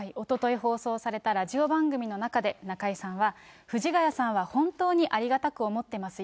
放送されたラジオ番組の中で、中居さんは、藤ヶ谷さんは本当にありがたく思っていますよ。